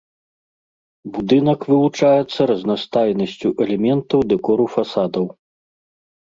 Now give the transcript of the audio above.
Будынак вылучаецца разнастайнасцю элементаў дэкору фасадаў.